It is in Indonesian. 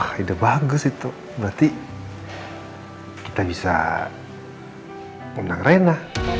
wah ide bagus itu berarti kita bisa mengundang reina